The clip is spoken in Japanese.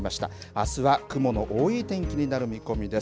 あすは雲の多い天気になる見込みです。